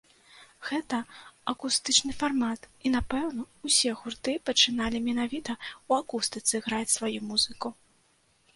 Гэта акустычны фармат, і, напэўна, усе гурты пачыналі менавіта ў акустыцы граць сваю музыку.